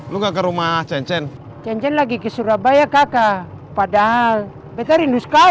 lu gak ke rumah cen cen cincin lagi ke surabaya kakak padahal betta rindu sekali